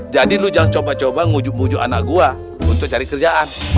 jadi lo jangan coba coba ngujur ngujur anak gue untuk cari kerjaan